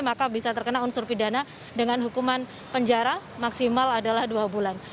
maka bisa terkena unsur pidana dengan hukuman penjara maksimal adalah dua bulan